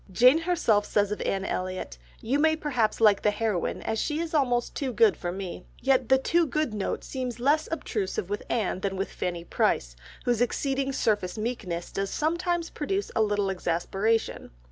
Jane herself says of Anne Elliot, "You may perhaps like the heroine as she is almost too good for me," yet the too good note seems less obtrusive with Anne than with Fanny Price, whose exceeding surface meekness does sometimes produce a little exasperation.